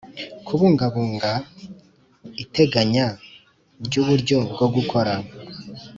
kubungabunga Iteganya ry uburyo bwo gukora